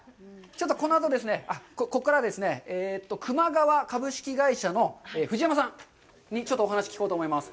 ちょっとこのあと、ここからですね、球磨川株式会社の藤山さんにちょっとお話を聞こうと思います。